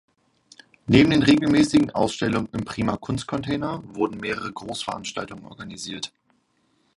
Neben den regelmäßigen Ausstellungen im Prima Kunst Container wurden mehrere Großveranstaltungen organisiert.